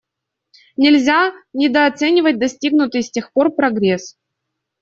Нельзя недооценивать достигнутый с тех пор прогресс.